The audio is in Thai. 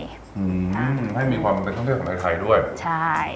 กับเห็ดชัมปิยองเข้าไปก่อนแล้วหลังจากนั้นเราก็ใส่ซอสมะเกือเทศสุดของทางร้านค่ะ